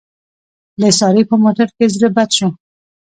د سارې په موټر کې زړه بد شو.